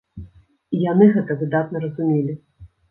І яны гэта выдатна разумелі.